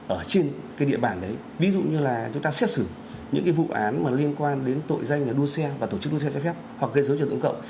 ở trên cái địa bàn đấy ví dụ như là chúng ta xét xử những vụ án liên quan đến tội doanh đua xe và tổ chức đua xe trái phép hoặc gây dấu cho tổng cậu